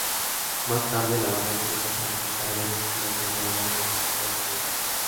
Más tarde, la banda empieza a planificar varias giras alrededor de los Estados Unidos.